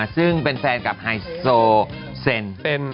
ซึ่งเป็นแฟนกับไฮโซเซน